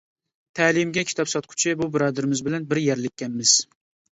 تەلىيىمگە كىتاب ساتقۇچى بۇ بۇرادىرىمىز بىلەن بىر يەرلىككەنمىز.